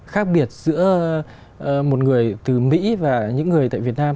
khác biệt giữa một người từ mỹ và những người tại việt nam